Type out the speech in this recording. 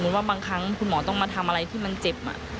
ว่าบางครั้งคุณหมอต้องมาทำอะไรที่มันเจ็บ